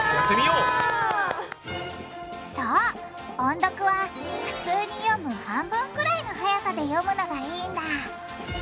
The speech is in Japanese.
そう音読は普通に読む半分くらいのはやさで読むのがいいんだ。